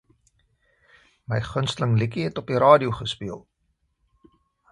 My gunstelingliedjie het op die radio gespeel.